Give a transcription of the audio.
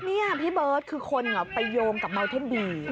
นี่พี่เบิร์ตคือคนไปโยงกับเมาเท่นบี